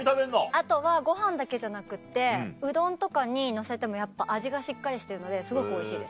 あとはご飯だけじゃなくってうどんとかにのせてもやっぱ味がしっかりしてるのですごくおいしいです。